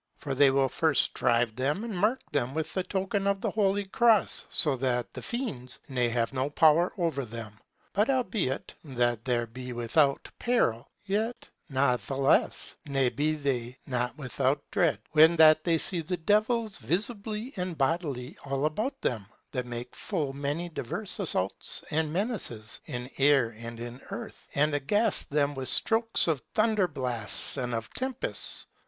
For they will first shrive them and mark them with the token of the holy cross, so that the fiends ne have no power over them. But albeit that they be without peril, yet, natheles, ne be they not without dread, when that they see the devils visibly and bodily all about them, that make full many diverse assaults and menaces, in air and in earth, and aghast them with strokes of thunder blasts and of tempests.